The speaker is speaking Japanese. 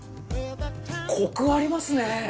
コクありますね！